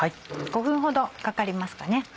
５分ほどかかりますかね。